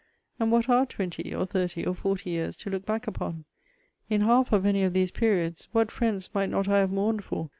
And what are twenty, or thirty, or forty years to look back upon? In half of any of these periods, what friends might not I have mourned for?